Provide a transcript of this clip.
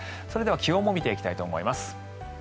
それでは気温も見ていきたいと思います。